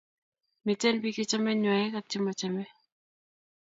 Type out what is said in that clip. Miten pik che chame nywaek ak che machame.